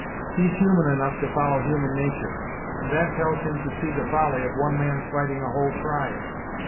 He's human enough to follow human natur', and that tells him to see the folly of one man's fighting a whole tribe.